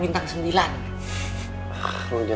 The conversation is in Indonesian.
masuk kuliah dulu